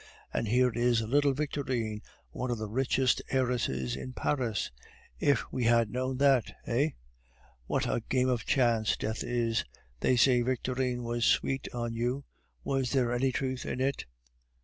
And here is little Victorine one of the richest heiresses in Paris! If we had known that, eh? What a game of chance death is! They say Victorine was sweet on you; was there any truth in it?"